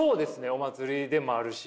お祭りでもあるし。